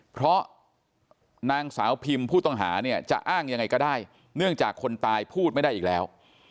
เพราะนางสาวพิมผู้ต้องหาเนี่ยจะอ้างยังไงก็ได้เนื่องจากคนตายพูดไม่ได้อีกแล้ว